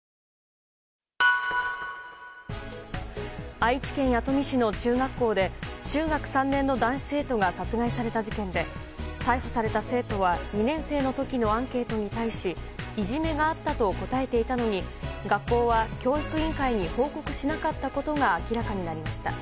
愛知県弥富市の中学校で中学３年の男子生徒が殺害された事件で逮捕された生徒は２年生の時のアンケートに対しいじめがあったと答えていたのに学校は教育委員会に報告しなかったことが明らかになりました。